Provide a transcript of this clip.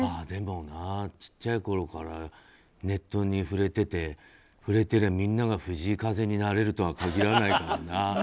でも、小さいころからネットに触れていて触れてりゃみんなが藤井風になれるとは限らないからな。